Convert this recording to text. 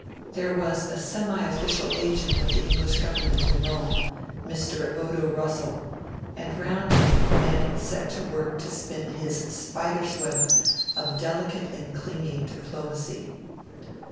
There was a semi official agent of the English Government in Rome, Mr. Odo Russell, and around him Manning set to work to spin his spider's web of delicate and clinging diplomacy.